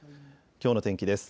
きょうの天気です。